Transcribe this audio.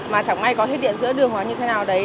mà chẳng may có hết điện giữa đường hoặc như thế nào đấy